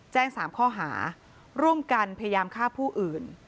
แจ้ง๓ข้อหาร่วมกันพยายามฆ่าผู้อื่น